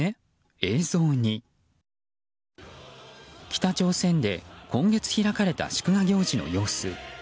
北朝鮮で今月開かれた祝賀行事の様子。